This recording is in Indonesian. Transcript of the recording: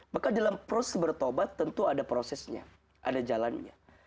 maka dalam proses bertobat tentu ada prosesnya ada jalannya